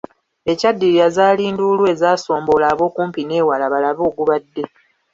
Ekyaddirira zaali nduulu ezaasomboola ab'okumpi n'ewala balabe ogubadde.